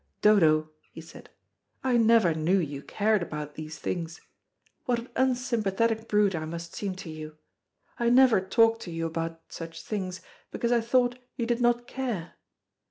"Dodo," he said, "I never knew you cared about these things. What an unsympathetic brute I must seem to you. I never talked to you about such things, because I thought you did not care.